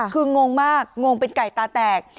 คืองงมากงงเป็นไก่ตาแตก